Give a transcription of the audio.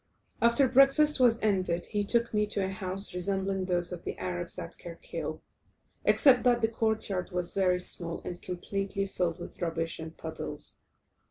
After breakfast was ended he took me to a house resembling those of the Arabs at Kerkil, except that the court yard was very small, and completely filled with rubbish and puddles.